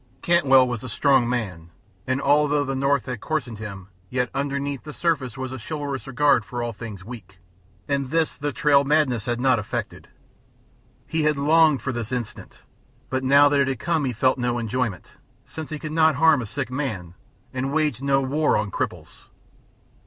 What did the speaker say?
Cantwell was a strong man, and, although the North had coarsened him, yet underneath the surface was a chivalrous regard for all things weak, and this the trail madness had not affected. He had longed for this instant, but now that it had come he felt no enjoyment, since he could not harm a sick man and waged no war on cripples.